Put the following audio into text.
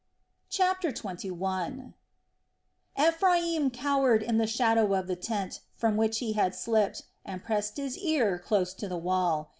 CHAPTER XXI. Ephriam cowered in the shadow of the tent, from which he had slipped, and pressed his ear close to the wall.